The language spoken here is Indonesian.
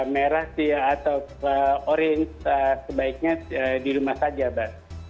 merah atau orin sebaiknya di rumah saja pak